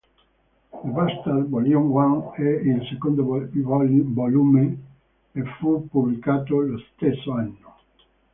The Bastards Volume One è il secondo volume e fu pubblicato lo stesso anno.